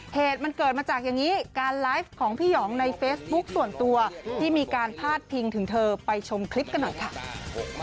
เหตุมันเกิดมาจากอย่างนี้การไลฟ์ของพี่หยองในเฟซบุ๊คส่วนตัวที่มีการพาดพิงถึงเธอไปชมคลิปกันหน่อยค่ะ